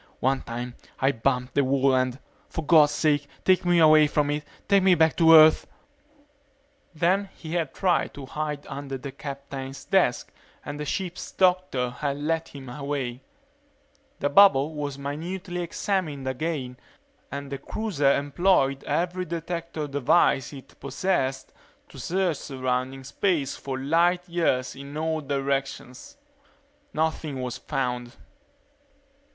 One time I bumped the wall and for God's sake take me away from it take me back to Earth ..." Then he had tried to hide under the captain's desk and the ship's doctor had led him away. The bubble was minutely examined again and the cruiser employed every detector device it possessed to search surrounding space for light years in all directions. Nothing was found.